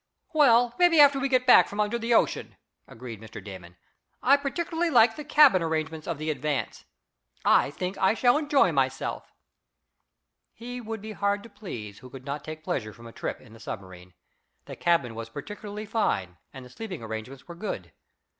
"Well, maybe after we get back from under the ocean," agreed Mr. Damon. "I particularly like the cabin arrangements of the Advance. I think I shall enjoy myself." He would be hard to please who could not take pleasure from a trip in the submarine. The cabin was particularly fine, and the sleeping arrangements were good.